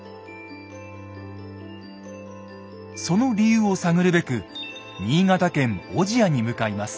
その理由を探るべく新潟県小千谷に向かいます。